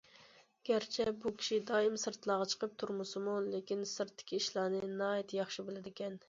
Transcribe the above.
گەرچە بۇ كىشى دائىم سىرتلارغا چىقىپ تۇرمىسىمۇ، لېكىن سىرتتىكى ئىشلارنى ناھايىتى ياخشى بىلىدىكەن.